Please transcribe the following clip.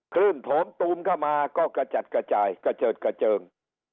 โถมตูมเข้ามาก็กระจัดกระจายกระเจิดกระเจิง